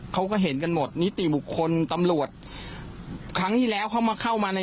เขาก็เห็นกันหมดนิติบุคคลตำรวจครั้งที่แล้วเขามาเข้ามาใน